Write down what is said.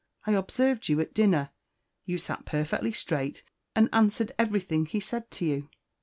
I observed you at dinner, you sat perfectly straight, and answered everything he said to you."